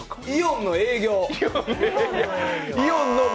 イオンの営業。